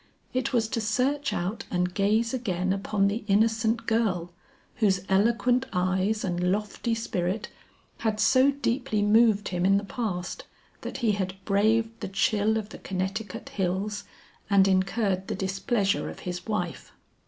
It was to search out and gaze again upon the innocent girl, whose eloquent eyes and lofty spirit had so deeply moved him in the past, that he had braved the chill of the Connecticut hills and incurred the displeasure of his wife.